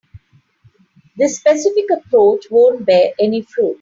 This specific approach won't bear any fruit.